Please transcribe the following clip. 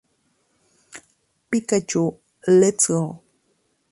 Pikachū・Let's Go!